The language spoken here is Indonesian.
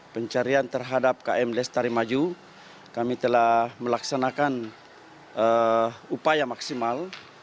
pencarian terhadap km lestari maju kami telah melaksanakan upaya maksimal